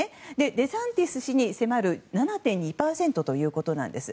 デサンティス氏に迫る７．２％ということなんです。